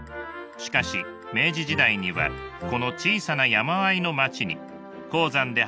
しかし明治時代にはこの小さな山あいの町に鉱山で働く労働者とその家族